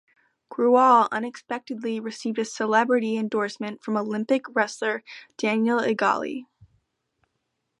Grewal unexpectedly received a celebrity endorsement from Olympic wrestler Daniel Igali.